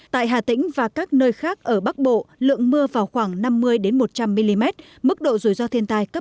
tại hà tĩnh và các nơi khác ở bắc bộ lượng mưa vào khoảng năm mươi một trăm linh mm mức độ rủi ro thiên tai cấp